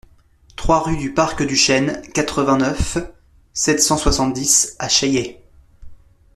trois rue du Parc du Chêne, quatre-vingt-neuf, sept cent soixante-dix à Chailley